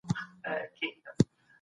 پېرودونکي سره ښه چلند وکړئ.